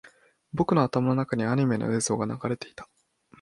僕の頭の中にアニメの映像が流れていた